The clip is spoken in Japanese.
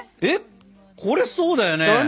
えっこれそうだよね。